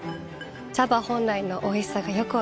茶葉本来のおいしさがよく分かります。